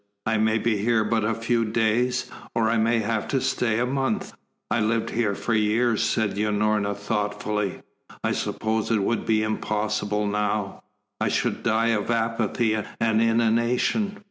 "I may be here but a few days, or I may have to stay a month. "I lived here for years," said Unorna thoughtfully. "I suppose it would be impossible now I should die of apathy and inanition."